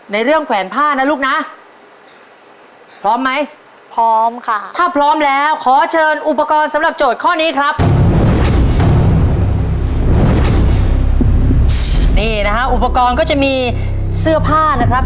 นี่นะคะอุปกรณ์ของจะมีเสื้อผ้านะครับ